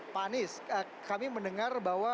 pak anies kami mendengar bahwa